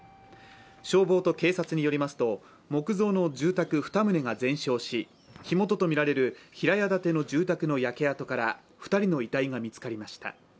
消防と警察によりますと、木造の住宅２棟が全焼し火元と見られる平屋建ての住宅の焼け跡から２人の遺体が見つかりました。